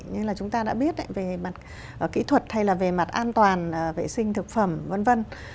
như là chúng ta đã biết về mặt kỹ thuật hay là về mặt an toàn vệ sinh thực phẩm v v